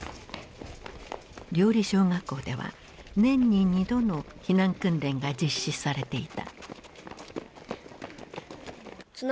綾里小学校では年に２度の避難訓練が実施されていた。